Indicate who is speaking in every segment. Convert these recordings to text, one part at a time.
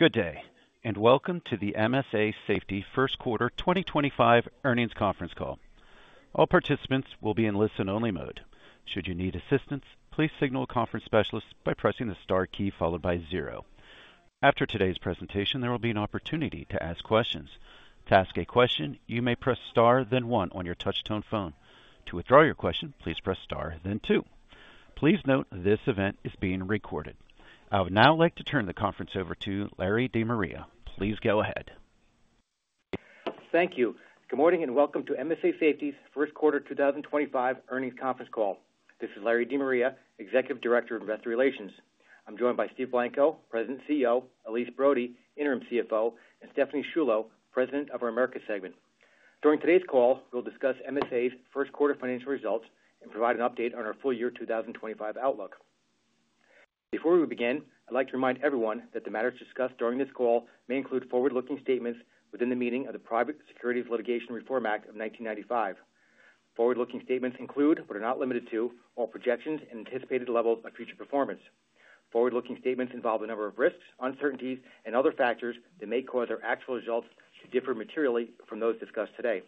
Speaker 1: Good Day, And Welcome To The MSA Safety Q1 2025 Earnings Conference Call. All participants will be in listen-only mode. Should you need assistance, please signal a conference specialist by pressing the star key followed by zero. After today's presentation, there will be an opportunity to ask questions. To ask a question, you may press star, then one on your touch-tone phone. To withdraw your question, please press star, then two. Please note this event is being recorded. I would now like to turn the conference over to Larry De Maria. Please go ahead.
Speaker 2: Thank you. Good morning and welcome to MSA Safety's Q1 2025 earnings conference call. This is Larry De Maria, Executive Director of Investor Relations. I'm joined by Steve Blanco, President and CEO; Elyse Brody, Interim CFO; and Stephanie Sciullo, President of our Americas segment. During today's call, we'll discuss MSA's Q1 financial results and provide an update on our full year 2025 outlook. Before we begin, I'd like to remind everyone that the matters discussed during this call may include forward-looking statements within the meaning of the Private Securities Litigation Reform Act of 1995. Forward-looking statements include but are not limited to all projections and anticipated levels of future performance. Forward-looking statements involve a number of risks, uncertainties, and other factors that may cause our actual results to differ materially from those discussed today.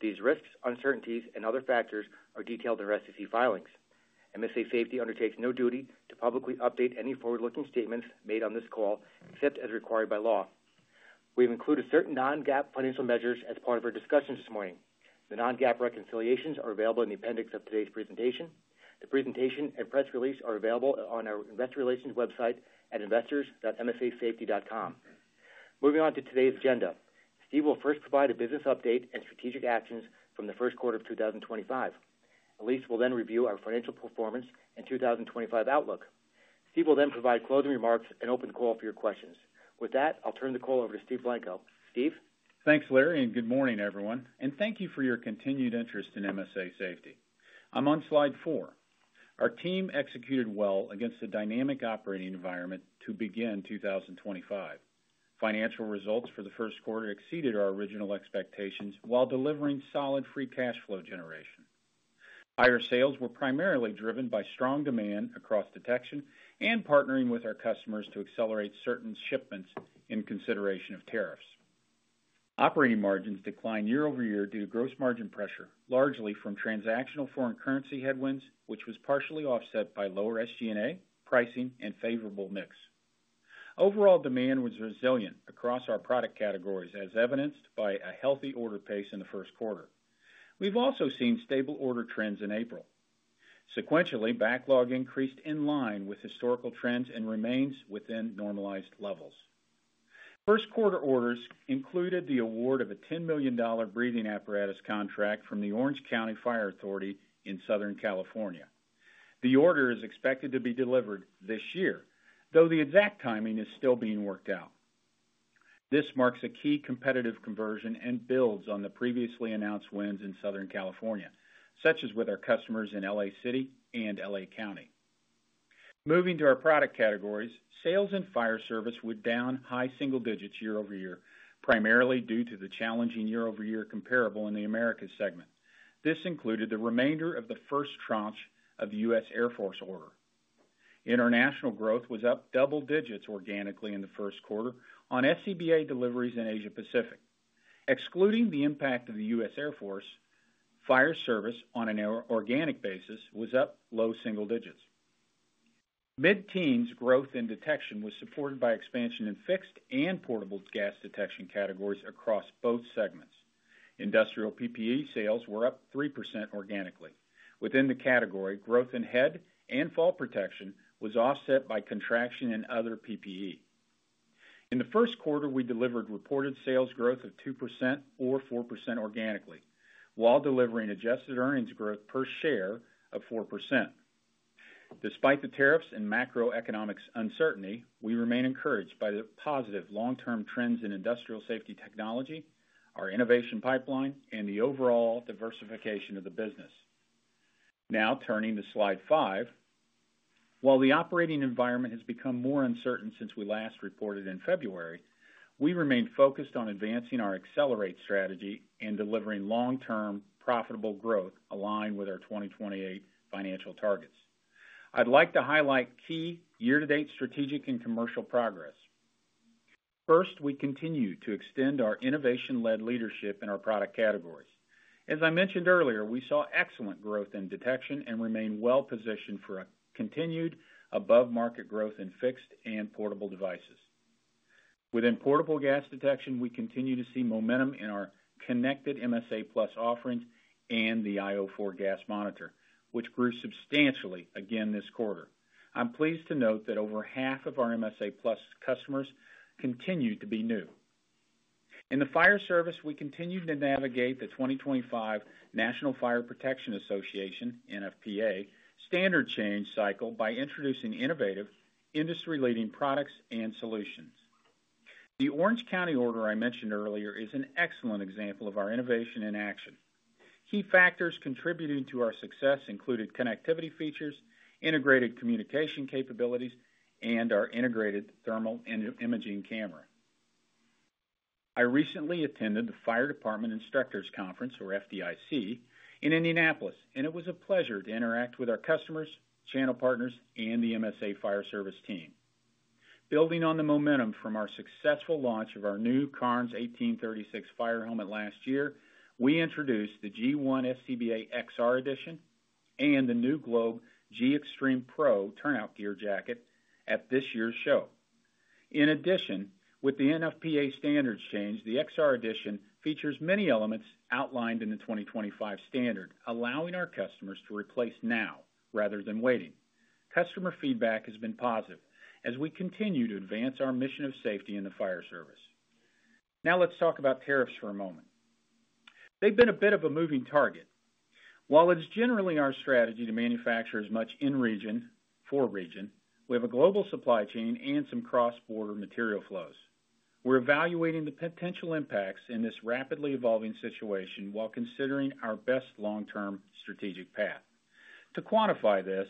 Speaker 2: These risks, uncertainties, and other factors are detailed in our SEC filings. MSA Safety undertakes no duty to publicly update any forward-looking statements made on this call except as required by law. We have included certain non-GAAP financial measures as part of our discussions this morning. The non-GAAP reconciliations are available in the appendix of today's presentation. The presentation and press release are available on our Investor Relations website at investors.msasafety.com. Moving on to today's agenda, Steve will first provide a business update and strategic actions from the Q1 of 2025. Elyse will then review our financial performance and 2025 outlook. Steve will then provide closing remarks and open the call for your questions. With that, I'll turn the call over to Steve Blanco. Steve.
Speaker 3: Thanks, Larry, and good morning, everyone. Thank you for your continued interest in MSA Safety. I'm on slide four. Our team executed well against a dynamic operating environment to begin 2025. Financial results for the Q1 exceeded our original expectations while delivering solid free cash flow generation. Higher sales were primarily driven by strong demand across detection and partnering with our customers to accelerate certain shipments in consideration of tariffs. Operating margins declined year-over-year due to gross margin pressure, largely from transactional foreign currency headwinds, which was partially offset by lower SG&A, pricing, and favorable mix. Overall demand was resilient across our product categories, as evidenced by a healthy order pace in the Q1. We've also seen stable order trends in April. Sequentially, backlog increased in line with historical trends and remains within normalized levels. Q1 orders included the award of a $10 million breathing apparatus contract from the Orange County Fire Authority in Southern California. The order is expected to be delivered this year, though the exact timing is still being worked out. This marks a key competitive conversion and builds on the previously announced wins in Southern California, such as with our customers in Los Angeles City and Los Angeles County. Moving to our product categories, sales in fire service were down high single digits year-over-year, primarily due to the challenging year-over-year comparable in the Americas segment. This included the remainder of the first tranche of the US Air Force order. International growth was up double digits organically in the Q1 on SCBA deliveries in Asia Pacific. Excluding the impact of the US Air Force, fire service on an organic basis was up low single digits. Mid-teens growth in detection was supported by expansion in fixed and portable gas detection categories across both segments. Industrial PPE sales were up 3% organically. Within the category, growth in head and fall protection was offset by contraction in other PPE. In the Q1, we delivered reported sales growth of 2% or 4% organically, while delivering adjusted earnings growth per share of 4%. Despite the tariffs and macroeconomic uncertainty, we remain encouraged by the positive long-term trends in industrial safety technology, our innovation pipeline, and the overall diversification of the business. Now turning to slide five. While the operating environment has become more uncertain since we last reported in February, we remain focused on advancing our accelerate strategy and delivering long-term profitable growth aligned with our 2028 financial targets. I'd like to highlight key year-to-date strategic and commercial progress. First, we continue to extend our innovation-led leadership in our product categories. As I mentioned earlier, we saw excellent growth in detection and remain well-positioned for continued above-market growth in fixed and portable devices. Within portable gas detection, we continue to see momentum in our connected MSA Plus offerings and the ALTAIR io 4 gas monitor, which grew substantially again this quarter. I'm pleased to note that over half of our MSA Plus customers continue to be new. In the fire service, we continue to navigate the 2025 National Fire Protection Association, NFPA, standard change cycle by introducing innovative, industry-leading products and solutions. The Orange County order I mentioned earlier is an excellent example of our innovation in action. Key factors contributing to our success included connectivity features, integrated communication capabilities, and our integrated thermal imaging camera. I recently attended the Fire Department Instructors Conference, or FDIC, in Indianapolis, and it was a pleasure to interact with our customers, channel partners, and the MSA fire service team. Building on the momentum from our successful launch of our new Cairns 1836 fire helmet last year, we introduced the G1 SCBA XR Edition and the new Globe G-XTREME Pro turnout gear jacket at this year's show. In addition, with the NFPA standards change, the XR Edition features many elements outlined in the 2025 standard, allowing our customers to replace now rather than waiting. Customer feedback has been positive as we continue to advance our mission of safety in the fire service. Now let's talk about tariffs for a moment. They've been a bit of a moving target. While it's generally our strategy to manufacture as much in region for region, we have a global supply chain and some cross-border material flows. We're evaluating the potential impacts in this rapidly evolving situation while considering our best long-term strategic path. To quantify this,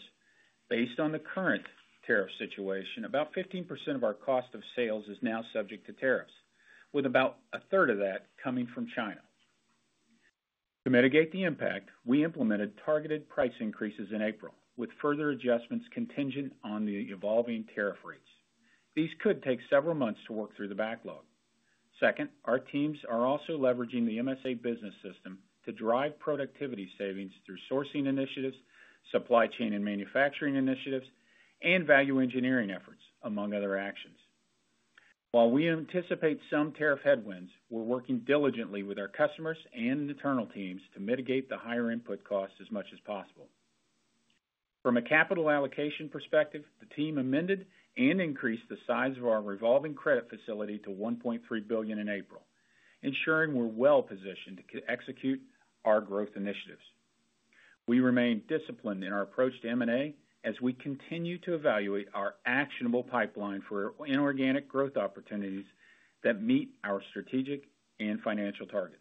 Speaker 3: based on the current tariff situation, about 15% of our cost of sales is now subject to tariffs, with about a third of that coming from China. To mitigate the impact, we implemented targeted price increases in April, with further adjustments contingent on the evolving tariff rates. These could take several months to work through the backlog. Second, our teams are also leveraging the MSA business system to drive productivity savings through sourcing initiatives, supply chain and manufacturing initiatives, and value engineering efforts, among other actions. While we anticipate some tariff headwinds, we're working diligently with our customers and internal teams to mitigate the higher input costs as much as possible. From a capital allocation perspective, the team amended and increased the size of our revolving credit facility to $1.3 billion in April, ensuring we're well-positioned to execute our growth initiatives. We remain disciplined in our approach to M&A as we continue to evaluate our actionable pipeline for inorganic growth opportunities that meet our strategic and financial targets.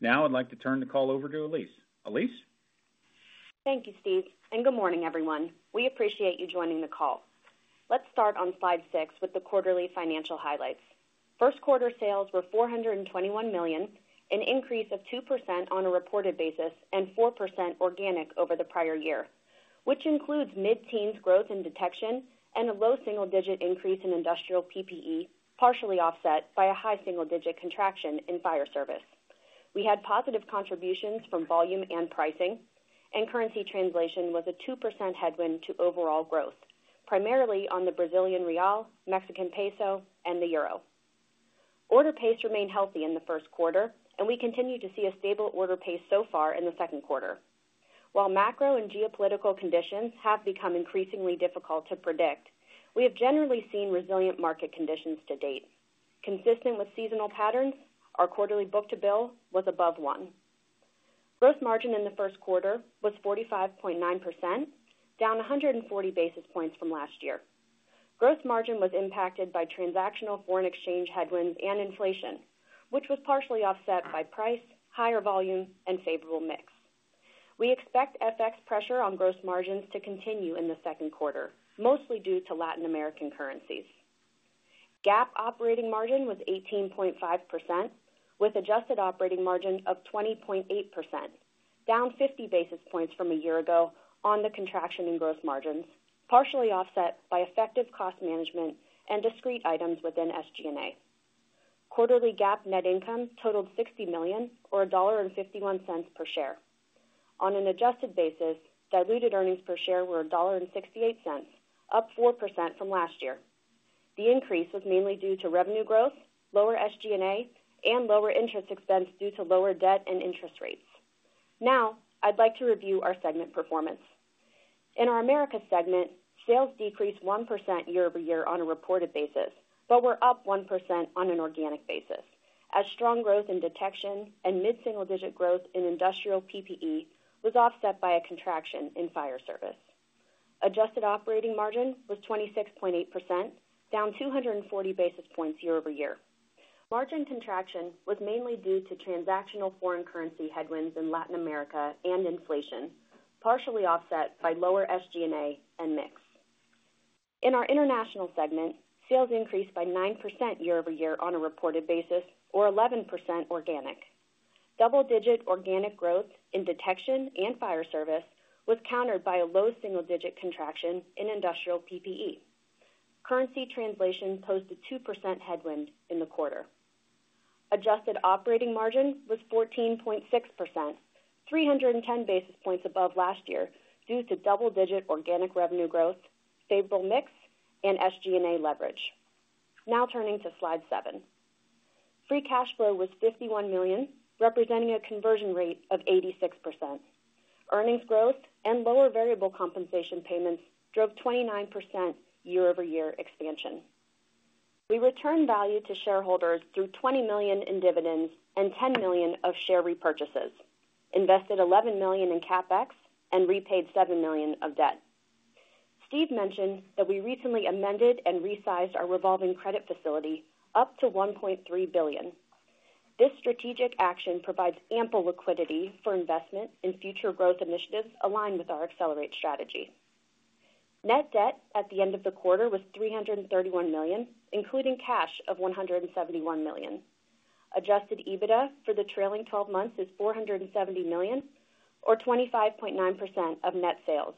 Speaker 3: Now I'd like to turn the call over to Elyse. Elyse?
Speaker 4: Thank you, Steve. Good morning, everyone. We appreciate you joining the call. Let's start on slide six with the quarterly financial highlights. Q1 sales were $421 million, an increase of 2% on a reported basis and 4% organic over the prior year, which includes mid-teens growth in detection and a low single-digit increase in industrial PPE, partially offset by a high single-digit contraction in fire service. We had positive contributions from volume and pricing, and currency translation was a 2% headwind to overall growth, primarily on the Brazilian real, Mexican peso, and the euro. Order pace remained healthy in the Q1, and we continue to see a stable order pace so far in the Q2. While macro and geopolitical conditions have become increasingly difficult to predict, we have generally seen resilient market conditions to date. Consistent with seasonal patterns, our quarterly book to bill was above one. Gross margin in the Q1 was 45.9%, down 140 basis points from last year. Gross margin was impacted by transactional foreign exchange headwinds and inflation, which was partially offset by price, higher volume, and favorable mix. We expect FX pressure on gross margins to continue in the Q2, mostly due to Latin American currencies. GAAP operating margin was 18.5%, with adjusted operating margin of 20.8%, down 50 basis points from a year ago on the contraction in gross margins, partially offset by effective cost management and discrete items within SG&A. Quarterly GAAP net income totaled $60 million, or $1.51 per share. On an adjusted basis, diluted earnings per share were $1.68, up 4% from last year. The increase was mainly due to revenue growth, lower SG&A, and lower interest expense due to lower debt and interest rates. Now I'd like to review our segment performance. In our America segment, sales decreased 1% year-over-year on a reported basis, but were up 1% on an organic basis, as strong growth in detection and mid-single digit growth in industrial PPE was offset by a contraction in fire service. Adjusted operating margin was 26.8%, down 240 basis points year-over-year. Margin contraction was mainly due to transactional foreign currency headwinds in Latin America and inflation, partially offset by lower SG&A and mix. In our international segment, sales increased by 9% year-over-year on a reported basis, or 11% organic. Double-digit organic growth in detection and fire service was countered by a low single-digit contraction in industrial PPE. Currency translation posted 2% headwind in the quarter. Adjusted operating margin was 14.6%, 310 basis points above last year due to double-digit organic revenue growth, favorable mix, and SG&A leverage. Now turning to slide seven. Free cash flow was $51 million, representing a conversion rate of 86%. Earnings growth and lower variable compensation payments drove 29% year-over-year expansion. We returned value to shareholders through $20 million in dividends and $10 million of share repurchases, invested $11 million in CapEx, and repaid $7 million of debt. Steve mentioned that we recently amended and resized our revolving credit facility up to $1.3 billion. This strategic action provides ample liquidity for investment in future growth initiatives aligned with our accelerate strategy. Net debt at the end of the quarter was $331 million, including cash of $171 million. Adjusted EBITDA for the trailing 12 months is $470 million, or 25.9% of net sales.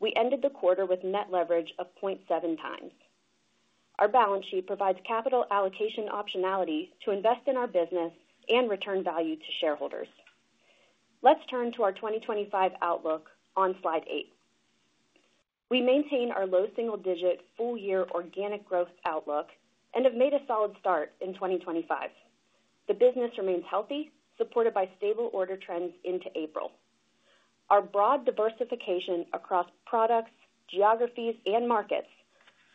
Speaker 4: We ended the quarter with net leverage of 0.7 times. Our balance sheet provides capital allocation optionality to invest in our business and return value to shareholders. Let's turn to our 2025 outlook on slide eight. We maintain our low single-digit full-year organic growth outlook and have made a solid start in 2025. The business remains healthy, supported by stable order trends into April. Our broad diversification across products, geographies, and markets,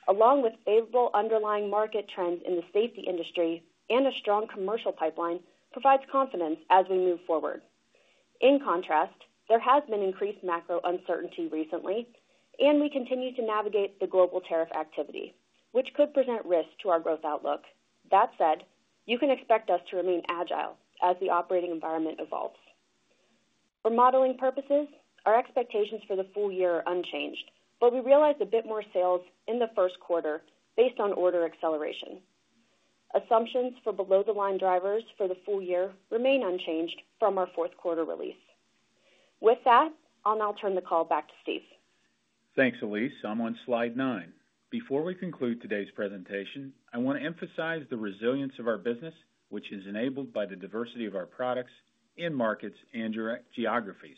Speaker 4: along with favorable underlying market trends in the safety industry and a strong commercial pipeline, provides confidence as we move forward. In contrast, there has been increased macro uncertainty recently, and we continue to navigate the global tariff activity, which could present risk to our growth outlook. That said, you can expect us to remain agile as the operating environment evolves. For modeling purposes, our expectations for the full year are unchanged, but we realized a bit more sales in the Q1 based on order acceleration. Assumptions for below-the-line drivers for the full year remain unchanged from our Q4 release. With that, I'll now turn the call back to Steve.
Speaker 3: Thanks, Elyse. I'm on slide nine. Before we conclude today's presentation, I want to emphasize the resilience of our business, which is enabled by the diversity of our products and markets and geographies,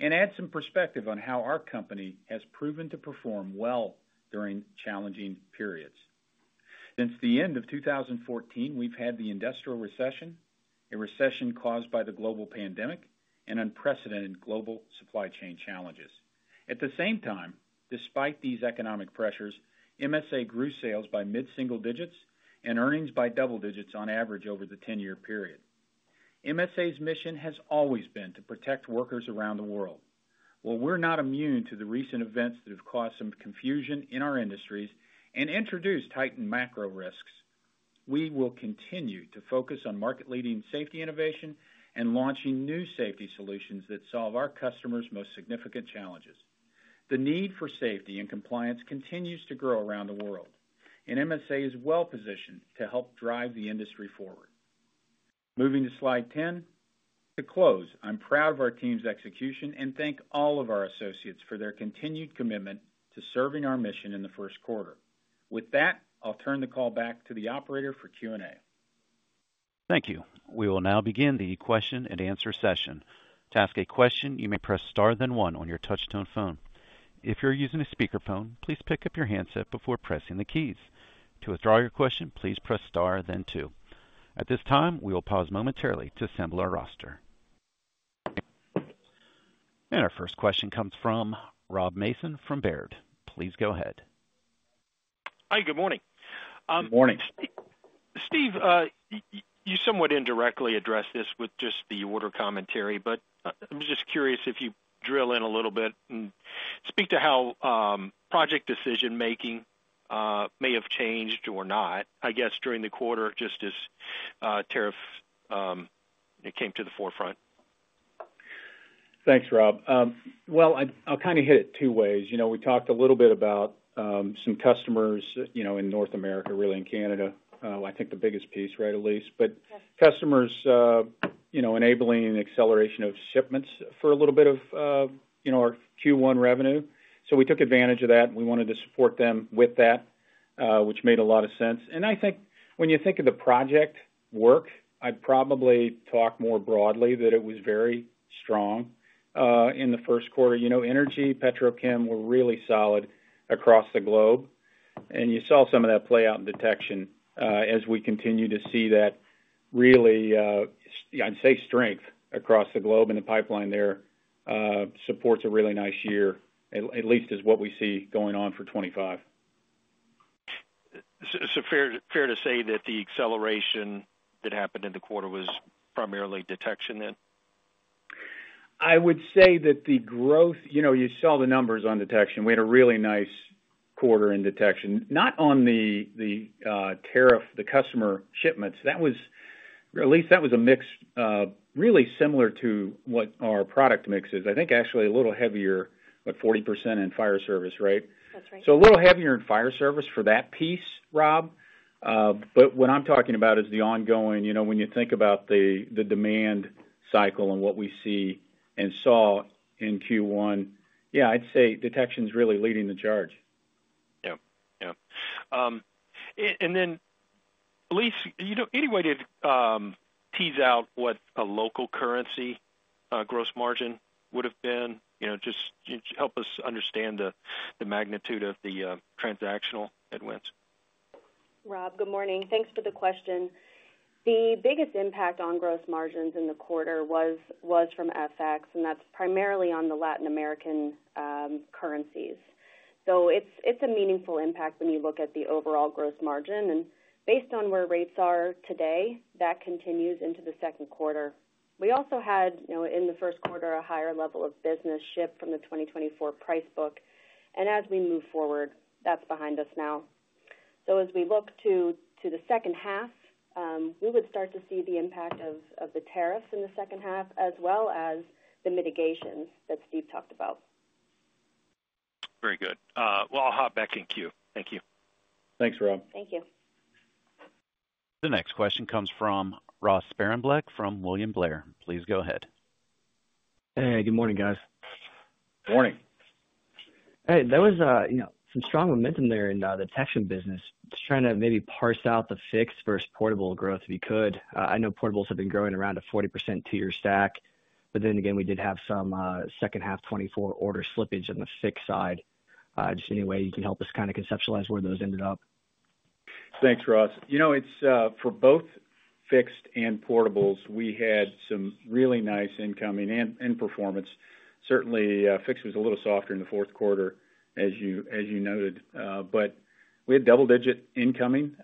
Speaker 3: and add some perspective on how our company has proven to perform well during challenging periods. Since the end of 2014, we've had the industrial recession, a recession caused by the global pandemic, and unprecedented global supply chain challenges. At the same time, despite these economic pressures, MSA grew sales by mid-single digits and earnings by double digits on average over the 10-year period. MSA's mission has always been to protect workers around the world. While we're not immune to the recent events that have caused some confusion in our industries and introduced heightened macro risks, we will continue to focus on market-leading safety innovation and launching new safety solutions that solve our customers' most significant challenges. The need for safety and compliance continues to grow around the world, and MSA is well-positioned to help drive the industry forward. Moving to slide 10. To close, I'm proud of our team's execution and thank all of our associates for their continued commitment to serving our mission in the Q1. With that, I'll turn the call back to the operator for Q&A.
Speaker 1: Thank you. We will now begin the question-and-answer session. To ask a question, you may press star then one on your touch-tone phone. If you're using a speakerphone, please pick up your handset before pressing the keys. To withdraw your question, please press star then two. At this time, we will pause momentarily to assemble our roster. Our first question comes from Rob Mason from Baird. Please go ahead.
Speaker 5: Hi, good morning.
Speaker 3: Good morning.
Speaker 5: Steve, you somewhat indirectly addressed this with just the order commentary, but I'm just curious if you drill in a little bit and speak to how project decision-making may have changed or not, I guess, during the quarter just as tariffs came to the forefront.
Speaker 3: Thanks, Rob. I'll kind of hit it two ways. We talked a little bit about some customers in North America, really in Canada, I think the biggest piece, right, Elyse? Customers enabling acceleration of shipments for a little bit of our Q1 revenue. We took advantage of that, and we wanted to support them with that, which made a lot of sense. I think when you think of the project work, I'd probably talk more broadly that it was very strong in the Q1. Energy, Petrochem were really solid across the globe. You saw some of that play out in detection as we continue to see that really, I'd say, strength across the globe and the pipeline there supports a really nice year, at least is what we see going on for 2025.
Speaker 5: it fair to say that the acceleration that happened in the quarter was primarily detection then?
Speaker 3: I would say that the growth, you saw the numbers on detection. We had a really nice quarter in detection, not on the tariff, the customer shipments. At least that was a mix really similar to what our product mix is. I think actually a little heavier, but 40% in fire service, right?
Speaker 5: That's right.
Speaker 3: A little heavier in fire service for that piece, Rob. What I'm talking about is the ongoing, when you think about the demand cycle and what we see and saw in Q1, yeah, I'd say detection's really leading the charge.
Speaker 5: Yeah. Yeah. Elyse, any way to tease out what a local currency gross margin would have been? Just help us understand the magnitude of the transactional headwinds.
Speaker 4: Rob, good morning. Thanks for the question. The biggest impact on gross margins in the quarter was from FX, and that's primarily on the Latin American currencies. It is a meaningful impact when you look at the overall gross margin. Based on where rates are today, that continues into the Q2. We also had, in the Q1, a higher level of business ship from the 2024 price book. As we move forward, that's behind us now. As we look to the second half, we would start to see the impact of the tariffs in the second half, as well as the mitigations that Steve talked about.
Speaker 5: Very good. I'll hop back in queue. Thank you.
Speaker 3: Thanks, Rob.
Speaker 4: Thank you.
Speaker 1: The next question comes from Ross Sparenblek from William Blair. Please go ahead.
Speaker 6: Hey, good morning, guys.
Speaker 3: Morning.
Speaker 6: Hey, there was some strong momentum there in the detection business. Just trying to maybe parse out the fixed versus portable growth if you could. I know portables have been growing around a 40% two-year stack. Then again, we did have some second half 2024 order slippage on the fixed side. Just any way you can help us kind of conceptualize where those ended up.
Speaker 3: Thanks, Ross. For both fixed and portables, we had some really nice incoming and performance. Certainly, fixed was a little softer in the Q4, as you noted. We had double-digit incoming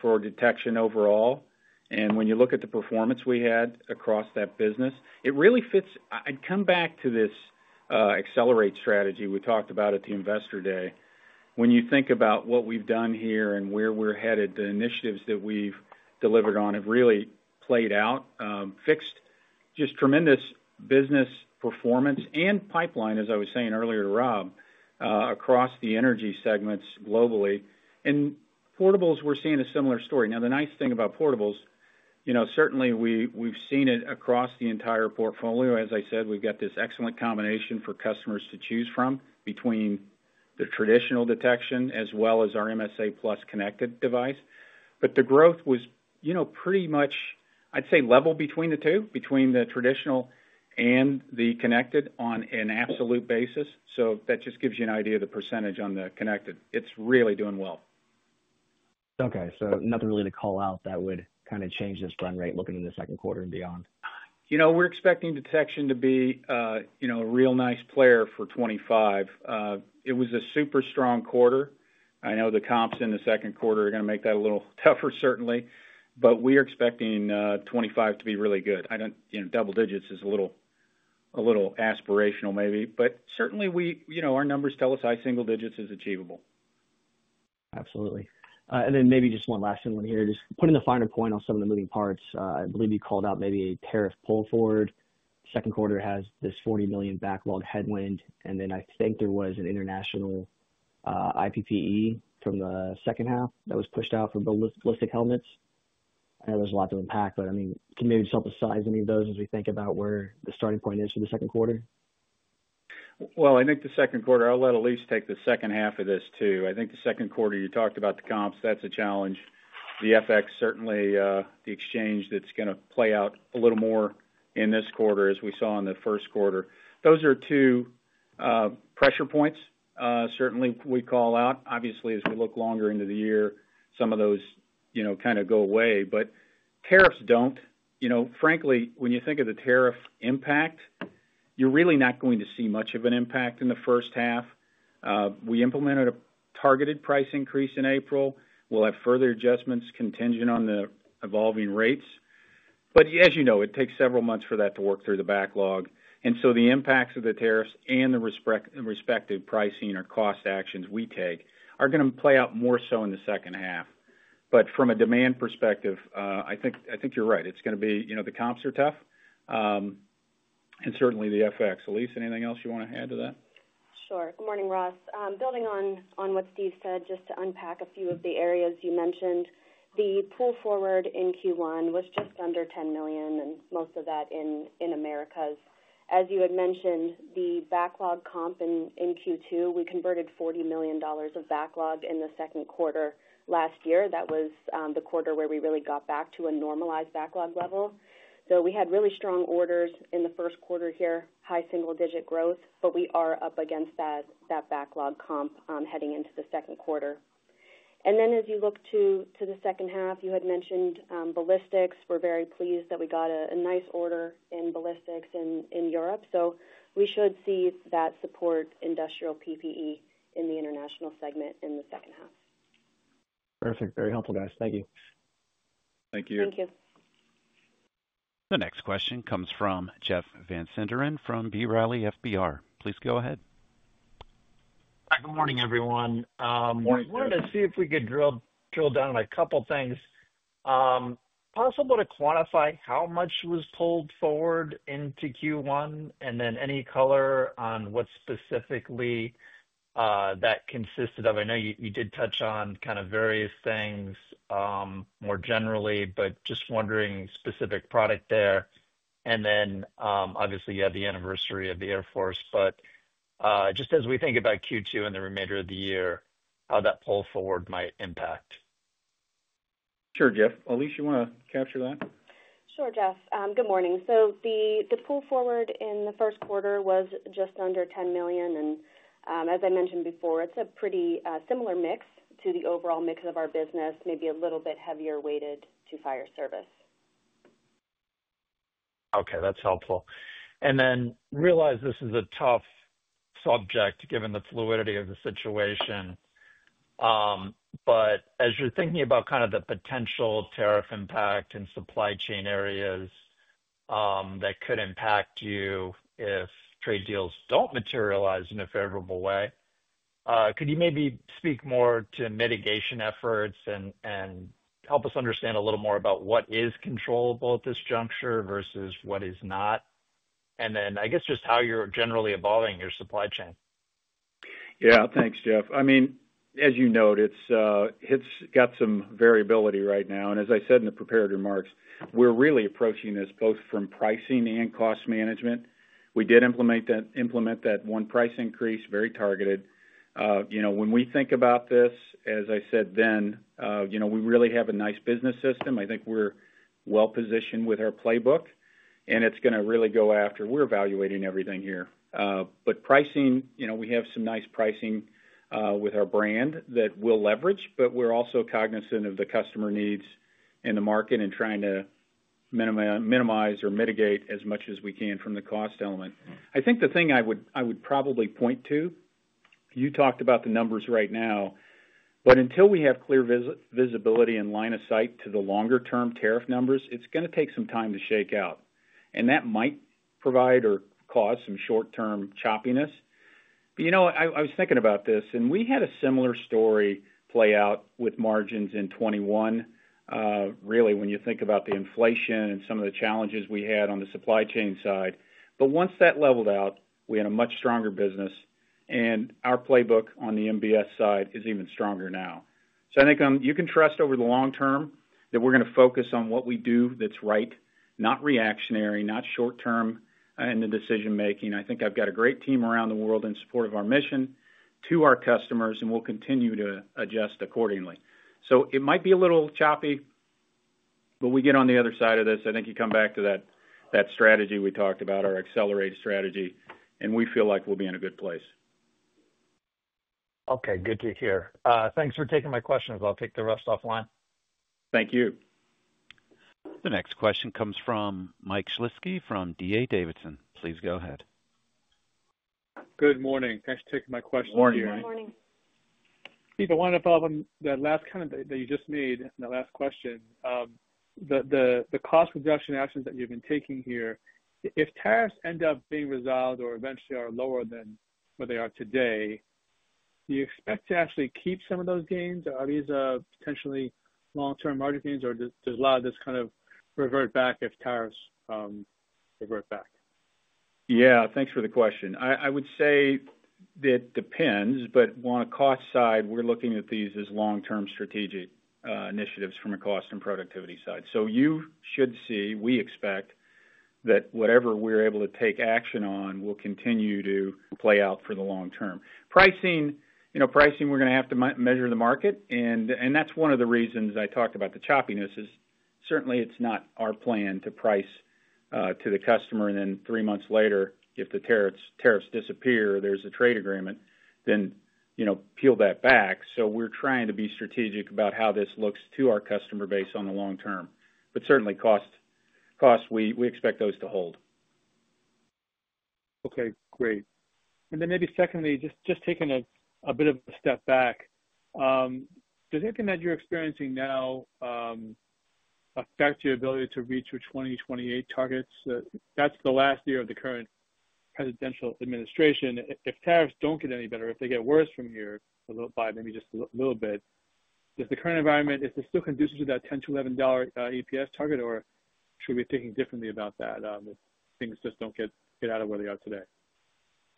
Speaker 3: for detection overall. When you look at the performance we had across that business, it really fits. I come back to this accelerate strategy we talked about at the investor day. When you think about what we've done here and where we're headed, the initiatives that we've delivered on have really played out. Fixed, just tremendous business performance and pipeline, as I was saying earlier to Rob, across the energy segments globally. Portables, we're seeing a similar story. The nice thing about portables, certainly we've seen it across the entire portfolio. As I said, we've got this excellent combination for customers to choose from between the traditional detection as well as our MSA Plus connected device. The growth was pretty much, I'd say, level between the two, between the traditional and the connected on an absolute basis. That just gives you an idea of the percentage on the connected. It's really doing well.
Speaker 6: Okay. Nothing really to call out that would kind of change this run, right, looking in the Q2 and beyond?
Speaker 1: We're expecting detection to be a real nice player for 2025. It was a super strong quarter. I know the comps in the Q2 are going to make that a little tougher, certainly. We are expecting 2025 to be really good. Double digits is a little aspirational, maybe. Certainly, our numbers tell us high single digits is achievable.
Speaker 6: Absolutely. Maybe just one last thing here. Just putting the finer point on some of the moving parts. I believe you called out maybe a tariff pull forward. Q2 has this $40 million backlog headwind. I think there was an international IPPE from the second half that was pushed out for ballistic helmets. I know there is a lot to unpack, but I mean, can maybe self-assign any of those as we think about where the starting point is for the Q2?
Speaker 3: I think the Q2, I'll let Elyse take the second half of this too. I think the Q2, you talked about the comps, that's a challenge. The FX, certainly the exchange that's going to play out a little more in this quarter, as we saw in the Q1. Those are two pressure points, certainly, we call out. Obviously, as we look longer into the year, some of those kind of go away. Tariffs don't. Frankly, when you think of the tariff impact, you're really not going to see much of an impact in the first half. We implemented a targeted price increase in April. We'll have further adjustments contingent on the evolving rates. As you know, it takes several months for that to work through the backlog. The impacts of the tariffs and the respective pricing or cost actions we take are going to play out more so in the second half. From a demand perspective, I think you're right. It's going to be the comps are tough. Certainly the FX. Elyse, anything else you want to add to that?
Speaker 4: Sure. Good morning, Ross. Building on what Steve said, just to unpack a few of the areas you mentioned, the pull forward in Q1 was just under $10 million, and most of that in Americas. As you had mentioned, the backlog comp in Q2, we converted $40 million of backlog in the Q2 last year. That was the quarter where we really got back to a normalized backlog level. We had really strong orders in the Q1 here, high single-digit growth, but we are up against that backlog comp heading into the Q2. As you look to the second half, you had mentioned ballistics. We're very pleased that we got a nice order in ballistics in Europe. We should see that support industrial PPE in the international segment in the second half.
Speaker 6: Perfect. Very helpful, guys. Thank you.
Speaker 3: Thank you.
Speaker 4: Thank you.
Speaker 1: The next question comes from Jeff Van Sinderen from B. Riley FBR. Please go ahead.
Speaker 7: Hi, good morning, everyone.
Speaker 3: Morning.
Speaker 7: I wanted to see if we could drill down on a couple of things. Possible to quantify how much was pulled forward into Q1 and then any color on what specifically that consisted of? I know you did touch on kind of various things more generally, but just wondering specific product there. Obviously, you had the anniversary of the Air Force. Just as we think about Q2 and the remainder of the year, how that pull forward might impact.
Speaker 3: Sure, Jeff. Elyse, you want to capture that?
Speaker 4: Sure, Jeff. Good morning. The pull forward in the Q1 was just under $10 million. As I mentioned before, it is a pretty similar mix to the overall mix of our business, maybe a little bit heavier weighted to fire service.
Speaker 7: Okay. That's helpful. I realize this is a tough subject given the fluidity of the situation. As you're thinking about kind of the potential tariff impact in supply chain areas that could impact you if trade deals do not materialize in a favorable way, could you maybe speak more to mitigation efforts and help us understand a little more about what is controllable at this juncture versus what is not? I guess just how you're generally evolving your supply chain.
Speaker 3: Yeah. Thanks, Jeff. I mean, as you noted, it's got some variability right now. As I said in the prepared remarks, we're really approaching this both from pricing and cost management. We did implement that one price increase, very targeted. When we think about this, as I said then, we really have a nice business system. I think we're well-positioned with our playbook, and it's going to really go after. We're evaluating everything here. Pricing, we have some nice pricing with our brand that we'll leverage, but we're also cognizant of the customer needs in the market and trying to minimize or mitigate as much as we can from the cost element. I think the thing I would probably point to, you talked about the numbers right now, but until we have clear visibility and line of sight to the longer-term tariff numbers, it's going to take some time to shake out. That might provide or cause some short-term choppiness. I was thinking about this, and we had a similar story play out with margins in 2021, really, when you think about the inflation and some of the challenges we had on the supply chain side. Once that leveled out, we had a much stronger business, and our playbook on the MBS side is even stronger now. I think you can trust over the long term that we're going to focus on what we do that's right, not reactionary, not short-term in the decision-making. I think I've got a great team around the world in support of our mission to our customers, and we'll continue to adjust accordingly. It might be a little choppy, but we get on the other side of this. I think you come back to that strategy we talked about, our accelerated strategy, and we feel like we'll be in a good place.
Speaker 7: Okay. Good to hear. Thanks for taking my questions. I'll take the rest offline.
Speaker 1: Thank you. The next question comes from Mike Shlisky from DA Davidson. Please go ahead.
Speaker 8: Good morning. Thanks for taking my question here.
Speaker 3: Good morning.
Speaker 4: Good morning.
Speaker 8: Steve, I want to follow up on that last comment that you just made, the last question. The cost reduction actions that you've been taking here, if tariffs end up being resolved or eventually are lower than what they are today, do you expect to actually keep some of those gains? Are these potentially long-term margin gains, or does a lot of this kind of revert back if tariffs revert back?
Speaker 3: Yeah. Thanks for the question. I would say it depends, but on a cost side, we're looking at these as long-term strategic initiatives from a cost and productivity side. You should see, we expect, that whatever we're able to take action on will continue to play out for the long term. Pricing, we're going to have to measure the market. That is one of the reasons I talked about the choppiness is certainly it's not our plan to price to the customer. Three months later, if the tariffs disappear, there's a trade agreement, then peel that back. We are trying to be strategic about how this looks to our customer base on the long term. Certainly, cost, we expect those to hold.
Speaker 8: Okay. Great. Maybe secondly, just taking a bit of a step back, does anything that you're experiencing now affect your ability to reach your 2028 targets? That's the last year of the current presidential administration. If tariffs don't get any better, if they get worse from here by maybe just a little bit, does the current environment, is it still conducive to that $10 to 11 EPS target, or should we be thinking differently about that if things just don't get out of where they are today?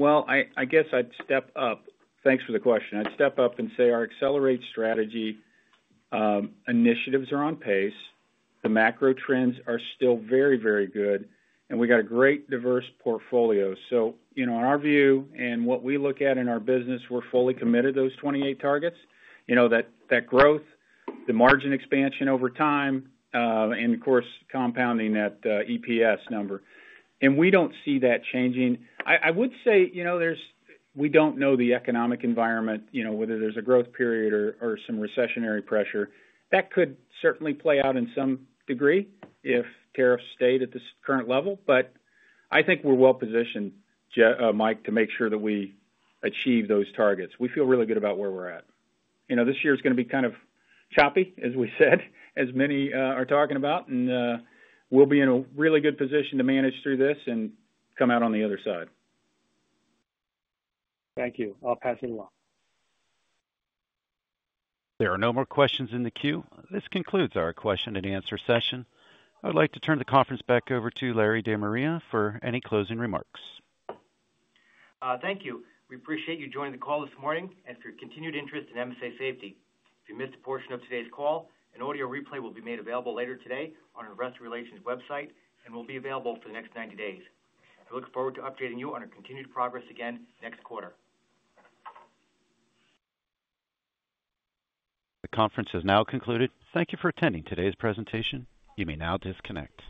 Speaker 3: I guess I'd step up. Thanks for the question. I'd step up and say our accelerate strategy initiatives are on pace. The macro trends are still very, very good, and we got a great diverse portfolio. In our view and what we look at in our business, we're fully committed to those 28 targets, that growth, the margin expansion over time, and of course, compounding that EPS number. We don't see that changing. I would say we don't know the economic environment, whether there's a growth period or some recessionary pressure. That could certainly play out in some degree if tariffs stayed at this current level. I think we're well-positioned, Mike, to make sure that we achieve those targets. We feel really good about where we're at. This year is going to be kind of choppy, as we said, as many are talking about. We will be in a really good position to manage through this and come out on the other side.
Speaker 8: Thank you. I'll pass it along.
Speaker 1: There are no more questions in the queue. This concludes our question and answer session. I would like to turn the conference back over to Larry De Maria for any closing remarks.
Speaker 2: Thank you. We appreciate you joining the call this morning and for your continued interest in MSA Safety. If you missed a portion of today's call, an audio replay will be made available later today on the Investor Relations website and will be available for the next 90 days. We look forward to updating you on our continued progress again next quarter.
Speaker 1: The conference has now concluded. Thank you for attending today's presentation. You may now disconnect.